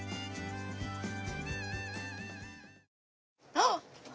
あっ！